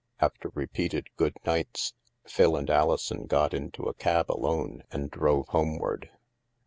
After re peated good nights, Phil and Alison got into a cab alone and drove homeward.